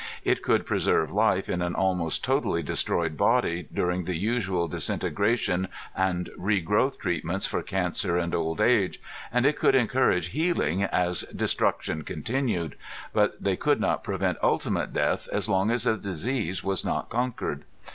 It could preserve life in an almost totally destroyed body during the usual disintegration and regrowth treatments for cancer and old age, and it could encourage healing as destruction continued ... but they could not prevent ultimate death as long as the disease was not conquered.